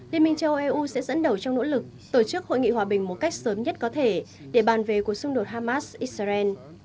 liên minh châu eu sẽ dẫn đầu trong nỗ lực tổ chức hội nghị hòa bình một cách sớm nhất có thể để bàn về cuộc xung đột hamas israel